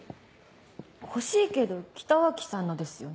欲しいけど北脇さんのですよね。